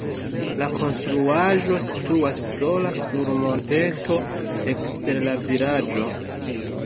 La konstruaĵo situas sola sur monteto ekster la vilaĝo.